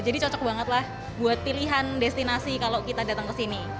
jadi cocok banget lah buat pilihan destinasi kalau kita datang kesini